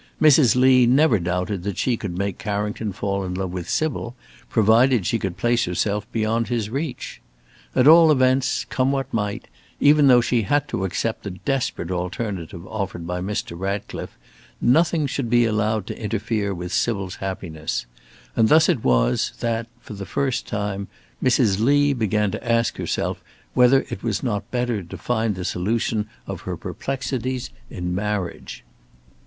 Mrs. Lee never doubted that she could make Carrington fall in love with Sybil provided she could place herself beyond his reach. At all events, come what might, even though she had to accept the desperate alternative offered by Mr. Ratcliffe, nothing should be allowed to interfere with Sybil's happiness. And thus it was, that, for the first time, Mrs. Lee began to ask herself whether it was not better to find the solution of her perplexities in marriage.